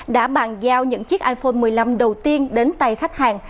đã bàn giao những chiếc iphone một mươi năm đầu tiên đến tay khách hàng